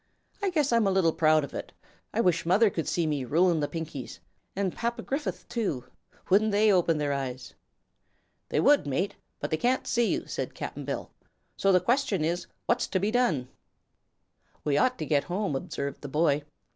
I guess I'm a little proud of it. I wish mother could see me rulin' the Pinkies an' Papa Griffith, too. Wouldn't they open their eyes?" "They would, mate; but they can't see you," said Cap'n Bill. "So the question is, what's to be done?" "We ought to get home," observed the boy.